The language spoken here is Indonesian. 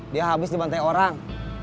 dia habis dibantai orang